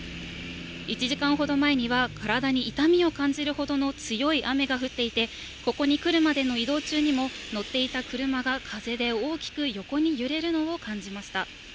１時間ほど前には体に痛みを感じるほどの強い雨が降っていて、ここに来るまでの移動中にも、乗っていた車が、風で大きく横に揺れるのを感じました。